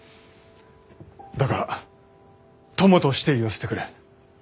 だから友として言わせてくれ。